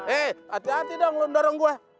eh hati hati dong lu mendorong gue